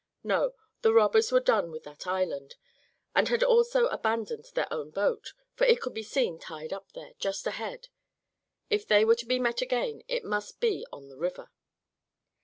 No, the robbers were done with that island, and had also abandoned their own boat, for it could be seen tied up there, just ahead. If they were to be met again it must be on the river.